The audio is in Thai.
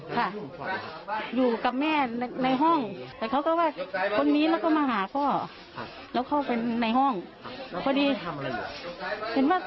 ค่ะอยู่กับแม่ในห้องเขาก็ว่าคน